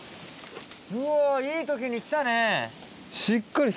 うわいい時に来たね！